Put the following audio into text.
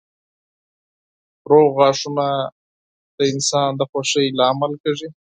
روغ غاښونه د انسان د خوښۍ لامل کېږي.